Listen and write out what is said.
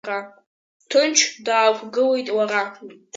Ҭынч даақәгылеит лара.